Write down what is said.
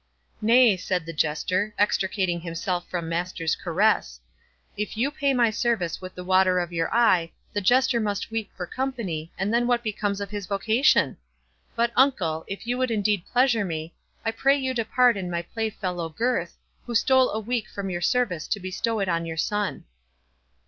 "Nay," said the Jester, extricating himself from master's caress, "if you pay my service with the water of your eye, the Jester must weep for company, and then what becomes of his vocation?—But, uncle, if you would indeed pleasure me, I pray you to pardon my playfellow Gurth, who stole a week from your service to bestow it on your son."